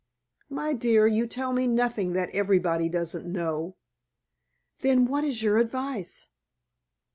"My dear, you tell me nothing that everybody doesn't know." "Then what is your advice?"